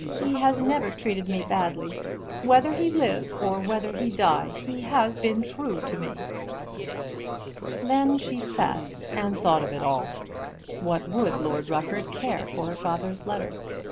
He has never treated me badly. Whether he live or whether he die, he has been true to me." Then she sat and thought of it all. What would Lord Rufford care for her father's letter?